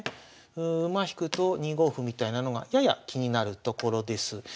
馬引くと２五歩みたいなのがやや気になるところです。